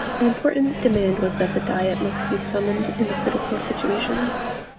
An important demand was that the diet must be summoned in the critical situation.